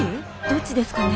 どっちですかね？